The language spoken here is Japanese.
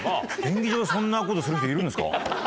便宜上そんなことする人いるんですか？